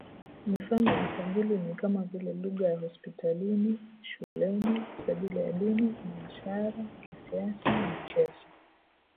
Mifano ya sajili ni kama vile lugha ya hospitalini, shuleni, sajili ya dini, biashara, kisiasa, michezo.